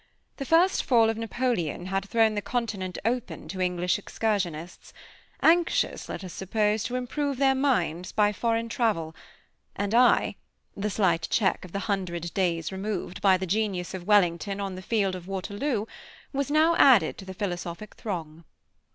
The first fall of Napoleon had thrown the continent open to English excursionists, anxious, let us suppose, to improve their minds by foreign travel; and I the slight check of the "hundred days" removed, by the genius of Wellington, on the field of Waterloo was now added to the philosophic throng.